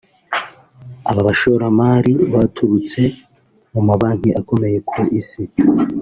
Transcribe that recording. Aba bashoramari baturutse mu mabanki akomeye ku isi